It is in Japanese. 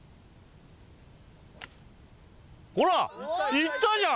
ほら行ったじゃん！